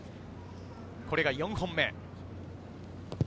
これが４本目。